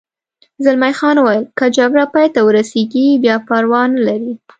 زلمی خان وویل: که جګړه پای ته ورسېږي بیا پروا نه لري.